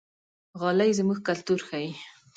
غالۍ زموږ کلتور ښيي.